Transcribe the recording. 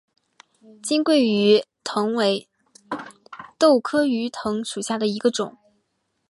黔桂鱼藤为豆科鱼藤属下的一个种。